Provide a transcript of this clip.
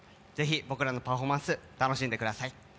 ぜひ、僕らのパフォーマンス楽しんでください。